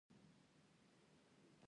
الف : امام غزالی رحمه الله وایی